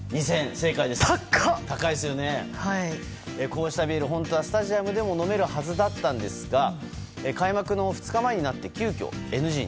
こうしたビール、本当はスタジアムでも飲めるはずだったんですが開幕の２日前になって急きょ、ＮＧに。